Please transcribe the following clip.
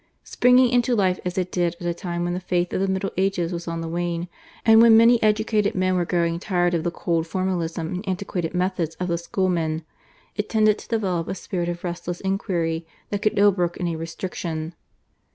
Springing into life as it did at a time when the faith of the Middle Ages was on the wane, and when many educated men were growing tired of the cold formalism and antiquated methods of the Schoolmen, it tended to develop a spirit of restless inquiry that could ill brook any restriction.